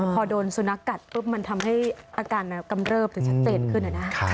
พอโดนสุนัขกัดปุ๊บมันทำให้อาการกำเริบถึงชัดเจนขึ้นนะ